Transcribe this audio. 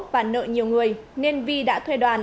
và nợ nhiều người nên vi đã thuê đoàn